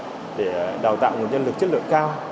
chúng ta cũng đã có các đề án để đào tạo một nhân lực chất lượng cao